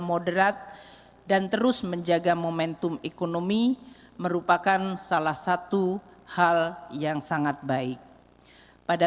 moderat dan terus menjaga momentum ekonomi merupakan salah satu hal yang sangat baik pada